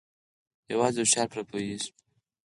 يوازې هوښيار پري پوهيږي